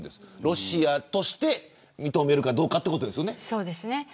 ロシアとして認めるかどうかということですよね。